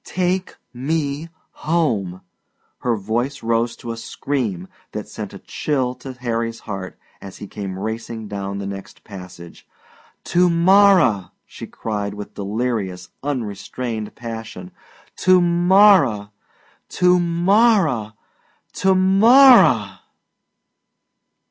Take me home" her voice rose to a scream that sent a chill to Harry's heart as he came racing down the next passage "to morrow!" she cried with delirious, unstrained passion "To morrow! To morrow! To morrow!"